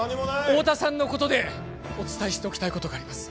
太田さんのことでお伝えしておきたいことがあります